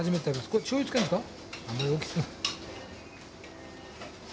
これしょうゆつけるんですか？